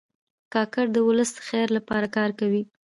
کاکړ د ولس د خیر لپاره کار کوي.